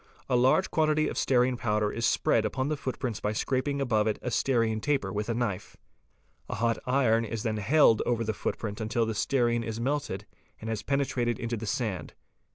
A large quantity of stearine powder is spread upon the footprint by scraping above it a stearine taper with a knife. A hot iron is then held over the footprint until the stearine is melted and has penetrated into the sand.